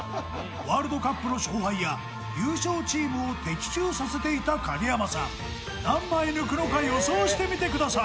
ワールドカップの勝敗や優勝チームを的中させていた影山さん、何枚抜くのか予想してみてください。